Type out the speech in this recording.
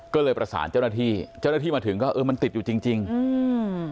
ก็เลยประสานเจ้าหน้าที่เจ้าหน้าที่มาถึงก็เออมันติดอยู่จริงจริงอืม